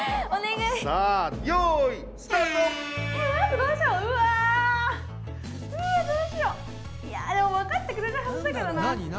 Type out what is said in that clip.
いやでもわかってくれるはずだけどな。